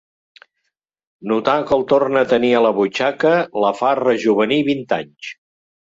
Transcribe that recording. Notar que el torna a tenir a la butxaca la fa rejovenir vint anys.